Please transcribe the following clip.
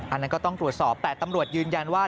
อันนั้นก็ต้องตรวจสอบแต่ตำรวจยืนยันว่า